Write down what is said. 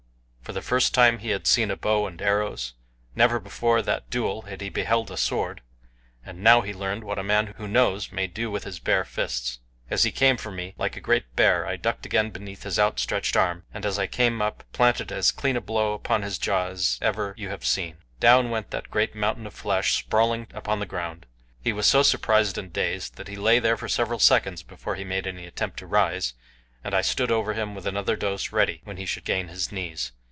For the first time he had seen a bow and arrows, never before that duel had he beheld a sword, and now he learned what a man who knows may do with his bare fists. As he came for me, like a great bear, I ducked again beneath his outstretched arm, and as I came up planted as clean a blow upon his jaw as ever you have seen. Down went that great mountain of flesh sprawling upon the ground. He was so surprised and dazed that he lay there for several seconds before he made any attempt to rise, and I stood over him with another dose ready when he should gain his knees.